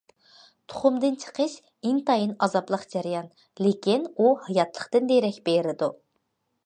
« تۇخۇمدىن چىقىش» ئىنتايىن ئازابلىق جەريان، لېكىن ئۇ ھاياتلىقتىن دېرەك بېرىدۇ.